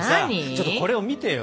ちょっとこれを見てよ。